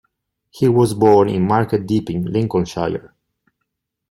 He was born in Market Deeping, Lincolnshire.